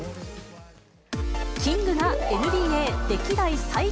キングがＮＢＡ歴代最多